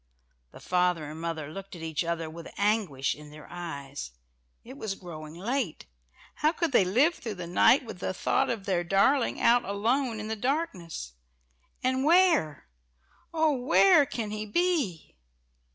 The father and mother looked at each other with anguish in their eyes. It was growing late. How could they live through the night with the thought of their darling out alone in the darkness? And where? "Oh, where can he be?"